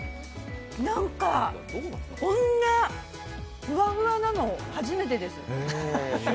こんなふわふわなの初めてです。